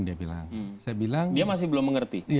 dia masih belum mengerti